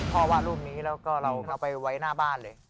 วาดรูปนี้แล้วก็เราเอาไปไว้หน้าบ้านเลย